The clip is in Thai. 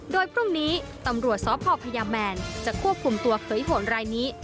โดยพรุ่งนี้ตำรวจสพพยาแมนจะควบคุมตัวเขยโหนรายนี้